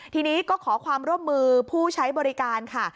ทีนี้ก็ขอความร่วมมือผู้ใช้บริการค่ะ